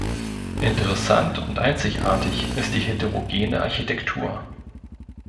Interessant und einzigartig ist die heterogene Architektur.